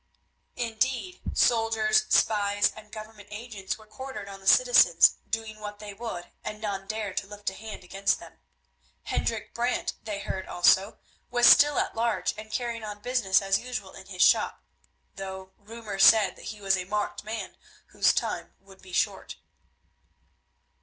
Indeed, soldiers, spies, and government agents were quartered on the citizens, doing what they would, and none dared to lift a hand against them. Hendrik Brant, they heard also, was still at large and carrying on business as usual in his shop, though rumour said that he was a marked man whose time would be short.